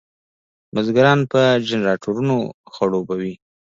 بزګران په جنراټورانو خړوبوي.